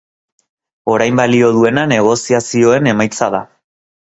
Orain balio duena negoziazioen emaitza da.